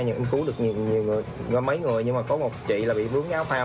em cứu được mấy người nhưng mà có một chị là bị vướng áo phao